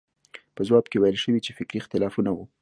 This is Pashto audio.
په ځواب کې ویل شوي چې فکري اختلافونه وو.